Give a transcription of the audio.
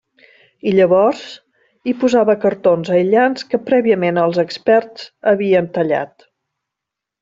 I llavors, hi posava cartons aïllants que prèviament els experts havien tallat.